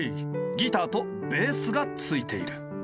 ギターとベースが付いている。